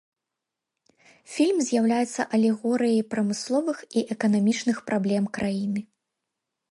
Фільм з'яўляецца алегорыяй прамысловых і эканамічных праблем краіны.